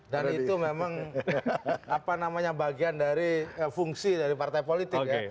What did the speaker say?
dan itu memang bagian dari fungsi dari partai politik